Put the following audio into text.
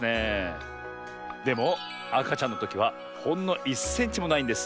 でもあかちゃんのときはほんの１センチもないんです。